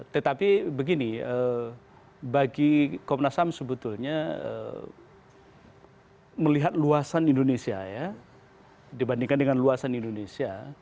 tetapi begini bagi komnas ham sebetulnya melihat luasan indonesia ya dibandingkan dengan luasan indonesia